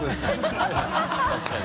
確かに。